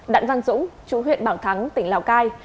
đạn văn dũng chú huyện bảo thắng tỉnh lào cai